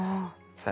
さあ